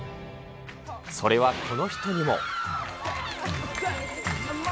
それはこの人にも。